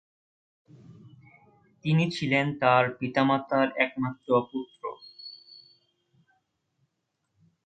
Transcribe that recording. তিনি ছিলেন তার পিতামাতার একমাত্র পুত্র।